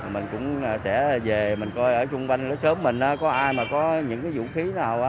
mình cũng sẽ về mình coi ở chung quanh nó sớm mình có ai mà có những cái vũ khí nào